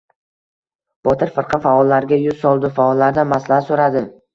Botir firqa faollarga yuz soldi. Faollardan maslahat so‘radi.